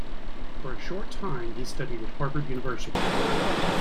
For a short time, he studied at Harvard University.